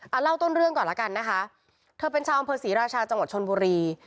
เอาเล่าต้นเรื่องก่อนแล้วกันนะคะเธอเป็นชาวอำเภอศรีราชาจังหวัดชนบุรี